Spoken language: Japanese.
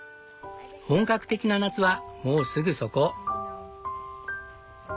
本格的な夏はもうすぐそこ。